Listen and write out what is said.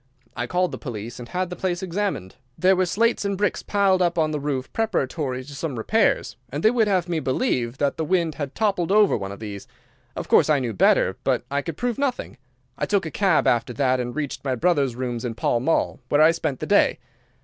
I called the police and had the place examined. There were slates and bricks piled up on the roof preparatory to some repairs, and they would have me believe that the wind had toppled over one of these. Of course I knew better, but I could prove nothing. I took a cab after that and reached my brother's rooms in Pall Mall, where I spent the day.